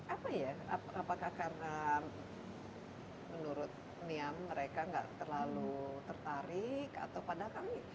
apa ya apakah karena menurut niam mereka gak terlalu tertarik atau pada kami